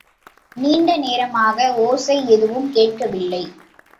நீண்ட நேரமாக ஓசை எதுவும் கேட்கவில்லை.